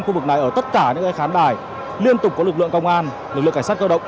khu vực này ở tất cả những khán bài liên tục có lực lượng công an lực lượng cảnh sát cơ động